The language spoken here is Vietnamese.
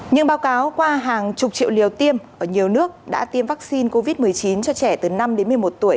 nhưng báo cáo qua hàng chục triệu liều tiêm ở nhiều nước đã tiêm vaccine covid một mươi chín cho trẻ từ năm đến một mươi một tuổi